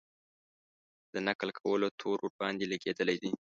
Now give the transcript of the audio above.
د نقل کولو تور ورباندې لګېدلی دی.